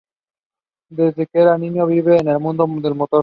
Desde que era un niño, vive el mundo del motor.